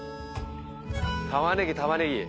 玉ねぎ玉ねぎ。